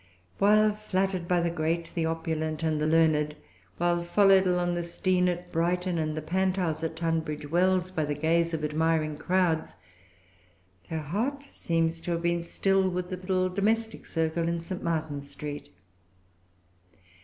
While flattered by the great, the opulent, and the learned, while followed along the Steyne at Brighton, and the Pantiles at Tunbridge Wells, by the gaze of admiring crowds, her heart seems to have been still with the little domestic circle in St. Martin's Street.